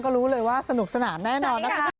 ก็รู้เลยว่าสนุกสนานแน่นอนนะคะ